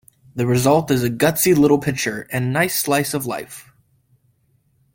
The result is a gutsy little picture and a nice slice of life.